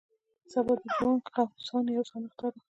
سبا د جوانګ قوم سان یو سان اختر و.